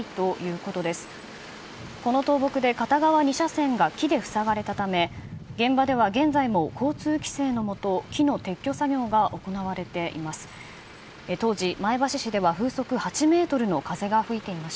この倒木で片側２車線が木で塞がれたため現場では現在も交通規制のもと木の撤去作業が行われています。